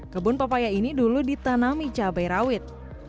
kebun papaya ini dulu ditanami cabai rawit